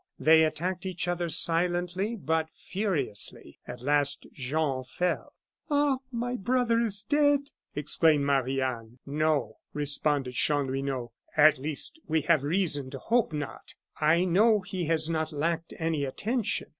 They attacked each other silently but furiously. At last Jean fell." "Ah! my brother is dead!" exclaimed Marie Anne. "No," responded Chanlouineau; "at least we have reason to hope not; and I know he has not lacked any attention.